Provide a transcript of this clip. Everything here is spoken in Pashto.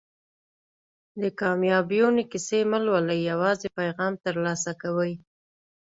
د کامیابیونې کیسې مه لولئ یوازې پیغام ترلاسه کوئ.